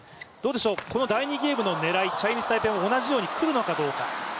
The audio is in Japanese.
この第２ゲームの狙いチャイニーズ・タイペイも同じようにくるのかどうか。